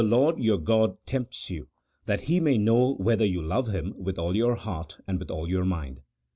Lord your God tempts you, that He may know whether you love Him with all your heart and with all your mind."